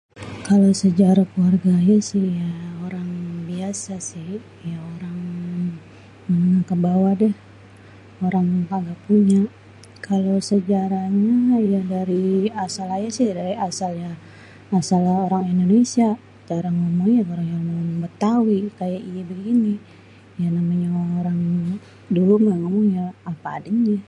Kalo sejarah keluarga ayé si orang biase si, yé orang menengah ke baweh deh orang kaga punya. Kalo sejarah nye meh ye dari asal ayé si asal orang Indonesia atau orang Bétawi, ya Bétawi ya begini ya begini orang dulu mah ngomongnyé apé adenyé.